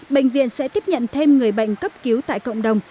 bệnh viện sẽ tiếp nhận thêm người bệnh cấp cứu tại cộng đồng